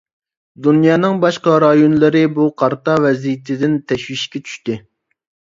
دۇنيانىڭ باشقا رايونلىرى بۇ قارتا ۋەزىيىتىدىن تەشۋىشكە چۈشتى.